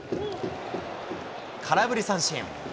空振り三振。